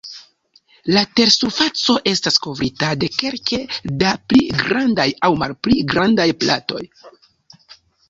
La tersurfaco estas kovrita de kelke da pli grandaj aŭ malpli grandaj platoj.